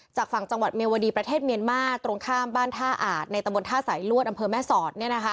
จากฝั่งจังหวัดเมียวดีประเทศเมียนมาตรงข้ามบ้านท่าอาจในตะบนท่าสายลวดอำเภอแม่สอด